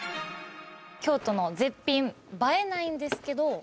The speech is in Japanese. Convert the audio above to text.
京都の絶品映えないんですけど